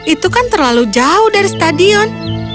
itu kan terlalu jauh dari stadion